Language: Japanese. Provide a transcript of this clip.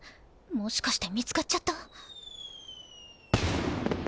もしかして見つかっちゃった？